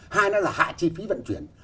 hai là hạ chi phí vận chuyển